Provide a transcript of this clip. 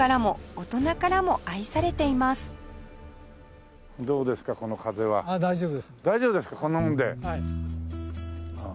大丈夫ですか？